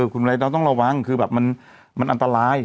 คุณไนดาวต้องระวังคือมันอันตราย